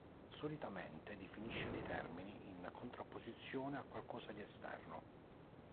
Solitamente, definisce dei termini in contrapposizione a qualcosa di esterno.